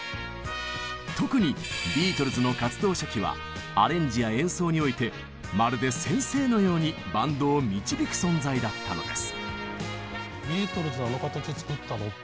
特にビートルズの活動初期はアレンジや演奏においてまるで先生のようにバンドを導く存在だったのです。